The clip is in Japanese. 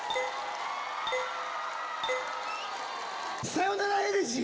『さよならエレジー』！